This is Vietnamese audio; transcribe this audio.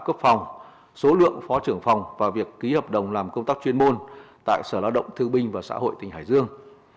cấp phòng số lượng phó trưởng phòng và việc ký hợp đồng làm công tác chuyên môn tại sở lao động thương binh và xã hội tỉnh hải dương